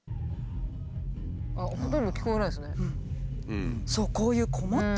ほとんど聞こえないですね。